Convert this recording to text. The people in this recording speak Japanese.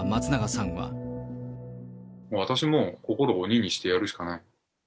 私も心を鬼にしてやるしかない。